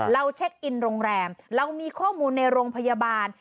เช็คอินโรงแรมเรามีข้อมูลในโรงพยาบาล